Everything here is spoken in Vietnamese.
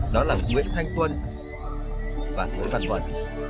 đó là nguyễn thanh tuân và thủy văn thuận